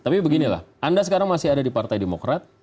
tapi beginilah anda sekarang masih ada di partai demokrat